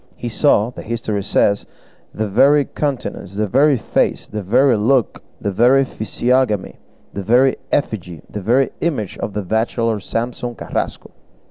He saw, the history says, the very countenance, the very face, the very look, the very physiognomy, the very effigy, the very image of the bachelor Samson Carrasco!